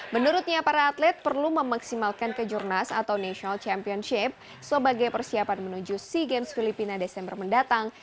menurutnya para atlet perlu memaksimalkan kejurnas atau national championship sebagai persiapan menuju sea games filipina desember mendatang